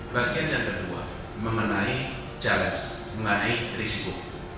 bagian yang kedua memenai challenge memenai risiko